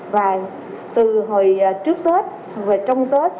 và từ hồi trước tết về trong tết